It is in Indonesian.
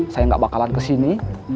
saya gak bakalan kesini